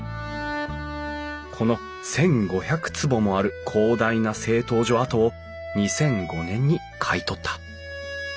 この１，５００坪もある広大な製陶所跡を２００５年に買い取った。